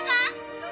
どう？